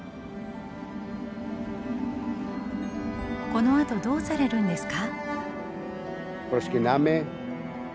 このあとどうされるんですか？